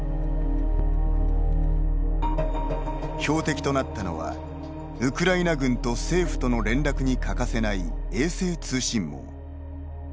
標的となったのはウクライナ軍と政府との連絡に欠かせない衛星通信網。